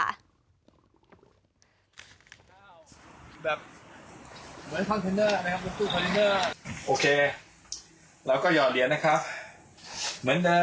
แล้วก็เทข้าวลงไป